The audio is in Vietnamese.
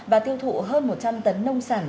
và tiêu thụ hơn một trăm linh tấn nông sản